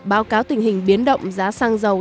báo cáo tình hình biến động giá xăng dầu